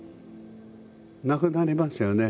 なくなりますよね